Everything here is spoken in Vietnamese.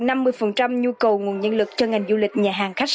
nhu cầu nguồn nhân lực cho ngành du lịch nhà hàng khách